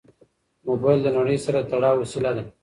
موبایل د نړۍ سره د تړاو وسیله ده.